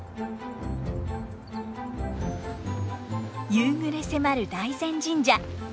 夕暮れ迫る大膳神社。